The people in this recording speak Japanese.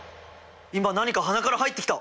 今何か鼻から入ってきた！